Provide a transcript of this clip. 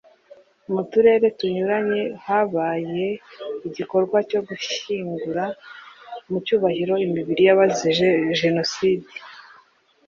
mu turere tunyuranye habaye igikorwa cyo gushyingura mu cyubahiro imibiri y’abazize jenoside